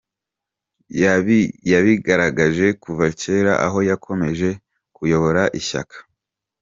Yabigaragaje kuva kera, aho yakomeje kuyobora ishyaka.